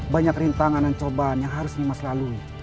banyak rintangan dan cobaan yang harus dimas lalui